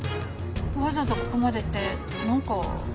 わざわざここまでってなんか。